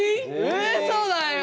うそだよ！